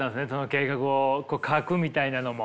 計画を書くみたいなのも。